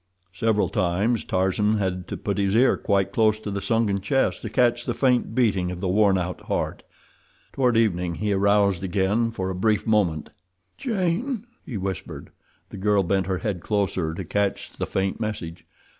Several times Tarzan had to put his ear quite close to the sunken chest to catch the faint beating of the worn out heart. Toward evening he aroused again for a brief moment. "Jane," he whispered. The girl bent her head closer to catch the faint message.